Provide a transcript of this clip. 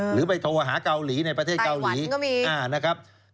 หรือไปโทรหาเกาหลีในประเทศเกาหลีนะครับไตวันก็มี